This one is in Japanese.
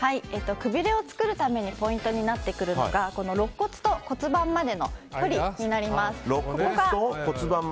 くびれを作るためにポイントになってくるのがろっ骨と骨盤までの距離になります。